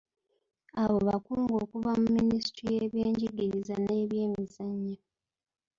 Abo bakungu okuva mu minisitule y'ebyenjigiriza n'ebyemizannyo.